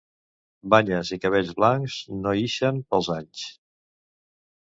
Banyes i cabells blancs, no ixen pels anys